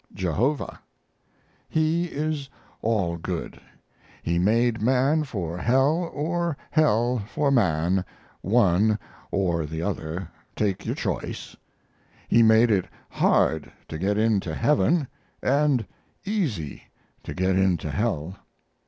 JEHOVAH He is all good. He made man for hell or hell for man, one or the other take your choice. He made it hard to get into heaven and easy to get into hell.